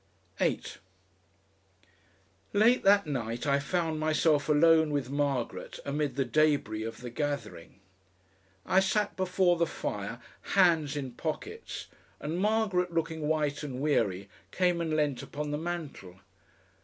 8 Late that night I found myself alone with Margaret amid the debris of the gathering. I sat before the fire, hands in pockets, and Margaret, looking white and weary, came and leant upon the mantel.